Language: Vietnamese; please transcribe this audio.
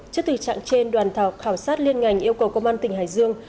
trước tình trạng trên đoàn khảo sát liên ngành yêu cầu công an tỉnh hải dương